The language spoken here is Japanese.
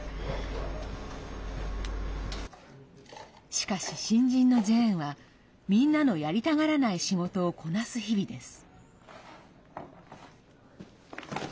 しかし、新人のジェーンはみんなの、やりたがらない仕事をこなす日々です。